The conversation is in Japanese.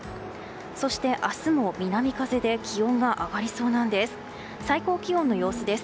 そして、明日も南風で気温が上がりそうです。